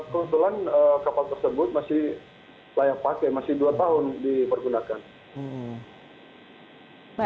kebetulan kapal tersebut masih layak pakai masih dua tahun dipergunakan